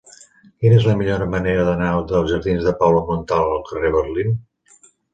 Quina és la millor manera d'anar dels jardins de Paula Montal al carrer de Berlín?